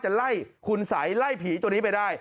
ไล่คุณสัยไล่ผีตัวนี้ไปได้